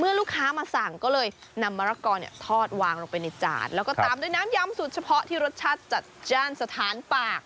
เมื่อลูกค้ามาสั่งก็เลยนำมะละกอทอดวางลงไปในจาน